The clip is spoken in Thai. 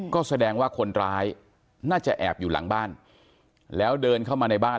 ก็แสดงว่าคนร้ายน่าจะแอบอยู่หลังบ้านแล้วเดินเข้ามาในบ้าน